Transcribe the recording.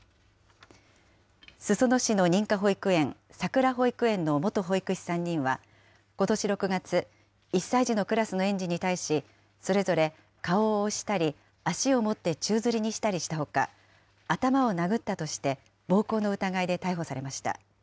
裾野市の認可保育園、さくら保育園の元保育士３人は、ことし６月、１歳児のクラスの園児に対し、それぞれ顔を押したり、足を持って宙づりにしたりしたほか、頭を殴ったとして、暴行の疑いで逮捕されました。